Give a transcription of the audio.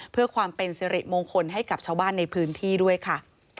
เพื่อความเป็นสิริมงคลให้กับชาวบ้านในพื้นที่ด้วยค่ะ